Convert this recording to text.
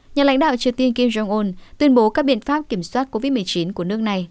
nhà lãnh đạo triều tiên kim jong un tuyên bố các biện pháp kiểm soát covid một mươi chín của nước này